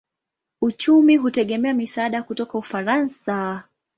Uchumi hutegemea misaada kutoka Ufaransa.